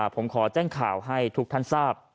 ผมขอแจ้งข่าวให้ทุกท่านทราบ